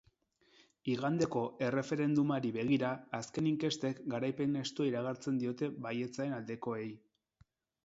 Igandeko erreferendumari begira, azken inkestek garaipen estua iragartzen diote baietzaren aldekoei.